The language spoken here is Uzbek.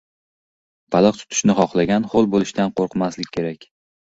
• Baliq tutishni xohlagan ho‘l bo‘lishdan qo‘rqmasligi kerak.